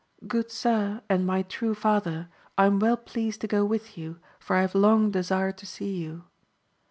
Good su*, and my true father, I am well pleased to go with you, for I have long desired to see you.